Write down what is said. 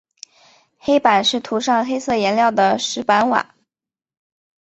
黑板是涂上黑色颜料的石板瓦。